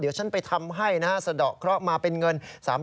เดี๋ยวฉันไปทำให้นะฮะสะดอกเคราะห์มาเป็นเงิน๓๐๐